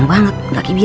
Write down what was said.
tapi ini ada apa sih ya